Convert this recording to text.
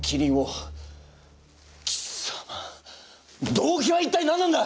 動機は一体何なんだ？